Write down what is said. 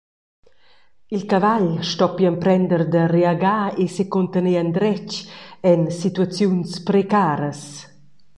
Il cavagl stoppi emprender da reagar e secuntener endretg en situaziuns precaras.